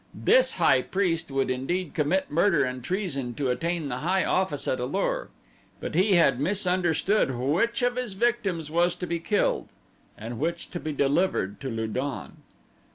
This high priest would indeed commit murder and treason to attain the high office at A lur; but he had misunderstood which of his victims was to be killed and which to be delivered to Lu don.